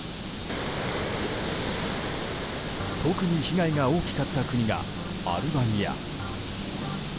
特に被害が大きかった国がアルバニア。